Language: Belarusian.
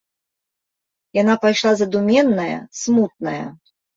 Яна пайшла задуменная, смутная.